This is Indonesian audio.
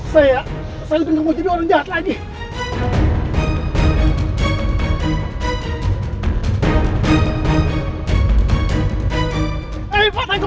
saya saya juga mau jebluskan orang ini